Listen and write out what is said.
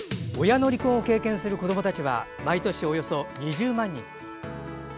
親の離婚を経験する子どもたちは毎年およそ２０万人。